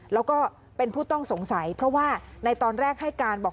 แล้วก็เป็นผู้ต้องสงสัยเพราะว่าในตอนแรกให้การบอก